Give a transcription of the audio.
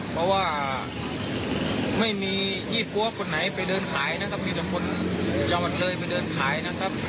เพราะว่าไม่มียี่ปั้วคนไหนไปเดินขายนะครับ